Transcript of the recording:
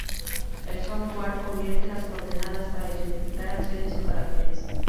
El software convierte las coordenadas para identificar acciones o caracteres.